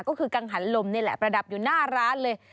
ก็คือกังหันลมนี่แหละประดับอยู่หน้าร้านเลย